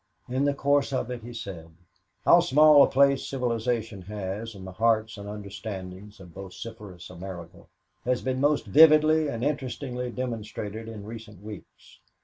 In the course of it he said: "How small a place civilization has in the hearts and understandings of vociferous America has been most vividly and interestingly demonstrated in recent weeks.